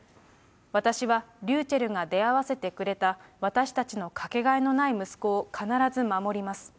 私はりゅうちぇるが出会わせてくれた私たちのかけがえのない息子を必ず守ります。